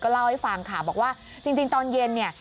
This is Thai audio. เล่าให้ฟังค่ะบอกว่าจริงตอนเย็นเนี่ย